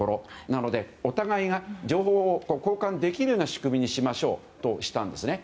なのでお互いが情報を交換できるような仕組みにしましょうとしたんですね。